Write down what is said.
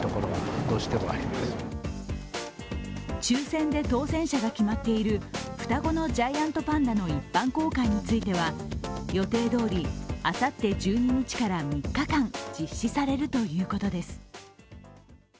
抽選で当選者が決まっている双子のジャイアントパンダの一般公開については予定どおりあさって１２日から３日間、実施されるということです。